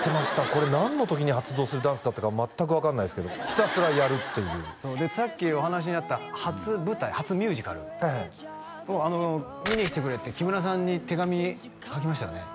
これ何の時に発動するダンスだったか全く分かんないですけどひたすらやるっていうさっきお話にあった初舞台初ミュージカルはいはいを見に来てくれって木村さんに手紙書きましたよね？